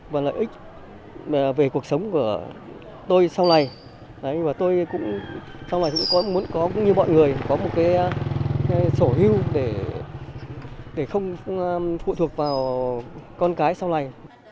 và lợi ích về cuộc sống của tôi sau này và tôi cũng muốn như mọi người có một cái sổ hưu để không phụ thuộc vào con cái sau này